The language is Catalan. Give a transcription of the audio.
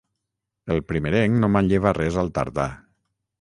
El primerenc no manlleva res al tardà.